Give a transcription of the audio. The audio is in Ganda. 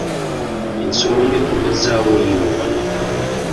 Ensonga enkomezzaawo yiino wano.